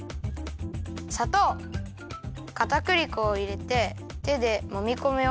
さとうかたくり粉をいれててでもみこむよ。